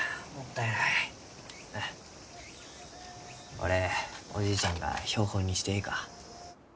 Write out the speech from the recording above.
これおじいちゃんが標本にしてえいか？